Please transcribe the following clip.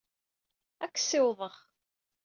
Ad k-ssiwḍeɣ.